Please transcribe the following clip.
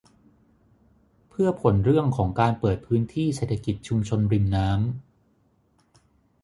เพื่อผลเรื่องของการเปิดพื้นที่เศรษฐกิจชุมชนริมน้ำ